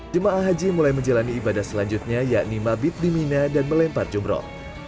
jemaah haji mulai menjalani ibadah selanjutnya yakni mabit di mina dan melempar jumroh